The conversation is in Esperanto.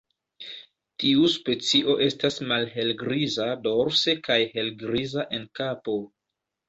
Tiu specio estas malhelgriza dorse kaj helgriza en kapo.